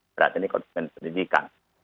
berarti ini konsumen pendidikan